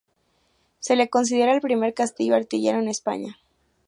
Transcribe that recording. Se le considera el primer castillo artillero en España.